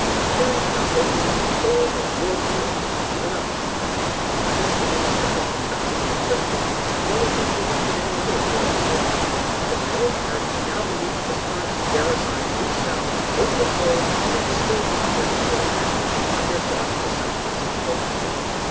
Theories about openings at the poles, or whirlpools, must be given up. Since the Maelstrom has been found to be a fiction, no one need believe in any other whirlpool. For my own part, I now believe that this current will bear us on, due south, over the pole, and then still onward, until at last we shall find ourselves in the South Pacific Ocean.